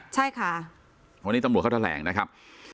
ใช่ค่ะวันนี้ตำรวจเขาแถลงนะครับ